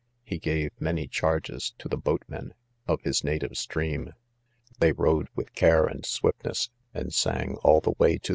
He gave many charges;. to the : boat men. of his , native stfeaini f .. They .rowed with ©are and .swiftne ss, and; sang all the way to